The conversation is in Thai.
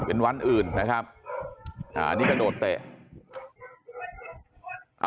เป็นวันอื่นนะครับอันนี้กระโดดเตะ